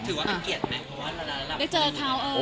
ถือว่าเป็นเกียรติไหม